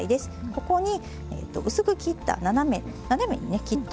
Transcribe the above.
ここに薄く切った斜めに切ったものですね。